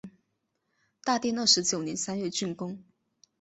大定二十九年三月竣工。